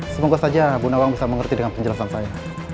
semoga saja bu nawang bisa mengerti dengan penjelasan saya